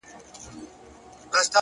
پوه انسان د پوهېدو تنده نه بایلي.